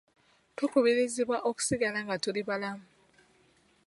Tukubirizibwa okusigala nga tuli balamu.